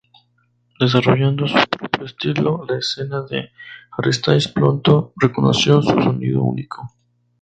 Desarrollando su propio estilo, la escena de hardstyle pronto reconoció su sonido único.